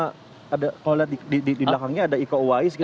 kalau lihat di belakangnya ada iko uwais gitu